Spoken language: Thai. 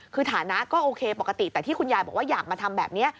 คือฐานะก็โอเคปกติแต่ที่คุณยายบอกว่าอยากมาทำแบบนี้